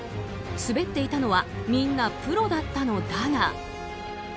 滑っていたのはみんなプロだったのだが。